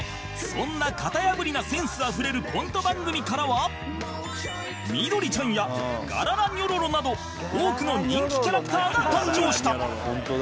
そんな型破りなセンスあふれるコント番組からはみどりちゃんやガララニョロロなど多くの人気キャラクターが誕生した